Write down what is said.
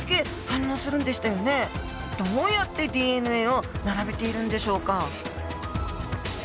どうやってＤＮＡを並べているんでしょうか？